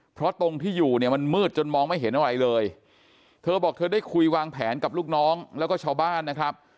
เพราะตรงที่อยู่เนี่ยมันมืดจนมองไม่เห็นอะไรเลยเธอบอกเธอได้คุยวางแผนกับลูกน้องแล้วก็ชาวบ้านนะครับ